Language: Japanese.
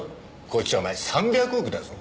こっちはお前３００億だぞ。